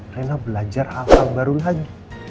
raina belajar hal hal baru lagi